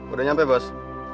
udah nyampe bos